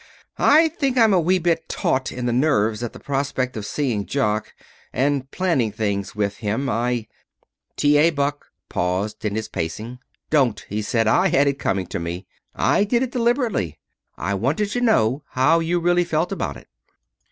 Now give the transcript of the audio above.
I think I'm a wee bit taut in the nerves at the prospect of seeing Jock and planning things with him I " T. A. Buck paused in his pacing. "Don't!" he said. "I had it coming to me. I did it deliberately. I wanted to know how you really felt about it."